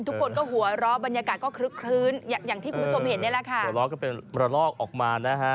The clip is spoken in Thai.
ทุกคนก็หัวเราะบรรยากาศก็คลึกคลื้นอย่างที่คุณผู้ชมเห็นได้แหละค่ะ